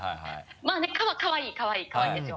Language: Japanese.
まぁね顔はかわいいかわいいかわいいですよ。